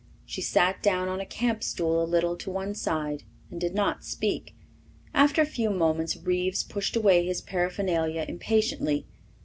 She sat down on a camp stool a little to one side and did not speak. After a few moments Reeves pushed away his paraphernalia impatiently.